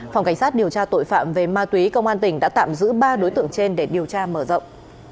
phòng cảnh sát điều tra tội phạm về ma túy công an tỉnh đã tạm giữ ba đối tượng trên để điều tra mở rộng